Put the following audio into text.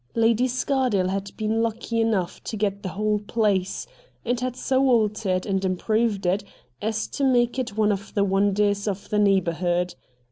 Lady Scardale had been lucky enough to get the whole place, and had so altered and improved it as to make it one of the wonders of the neighbourhood.